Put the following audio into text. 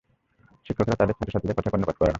শিক্ষকরা তাদের ছাত্রছাত্রীদের কথায় কর্ণপাত করে না।